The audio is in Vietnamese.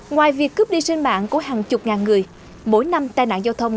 ngoài việc cướp đi sinh mạng của hàng chục ngàn người mỗi năm tai nạn giao thông